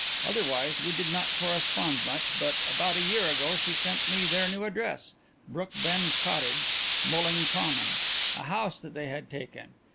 Otherwise we did not correspond much, but about a year ago she sent me their new address Brookbend Cottage, Mulling Common a house that they had taken.